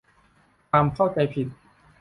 ความเข้าใจผิด